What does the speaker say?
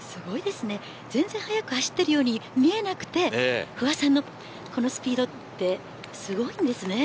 すごいですね、全然速く走っているように見えなくて不破さんのこのスピードすごいですね。